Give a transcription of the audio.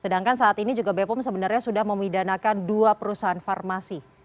sedangkan saat ini juga bepom sebenarnya sudah memidanakan dua perusahaan farmasi